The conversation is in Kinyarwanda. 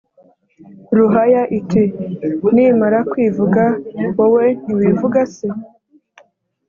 ruhaya iti «nimara kwivuga, wowe ntiwivuga se?»